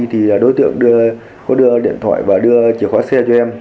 thì đối tượng có đưa điện thoại và đưa chìa khóa xe cho em